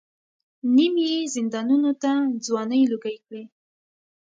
نیم یې زندانونو ته ځوانۍ لوګۍ کړې.